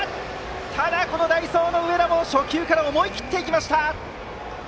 ただ、この代走の上田も初球から思い切って行きました。